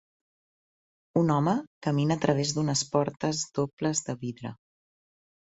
Un home camina a través d'unes portes dobles de vidre.